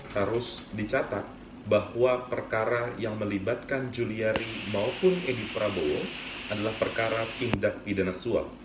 harus dicatat bahwa perkara yang melibatkan juliari maupun edi prabowo adalah perkara tindak pidana suap